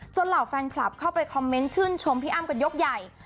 เหล่าแฟนคลับเข้าไปคอมเมนต์ชื่นชมพี่อ้ำกันยกใหญ่